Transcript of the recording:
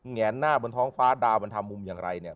แนนหน้าบนท้องฟ้าดาวมันทำมุมอย่างไรเนี่ย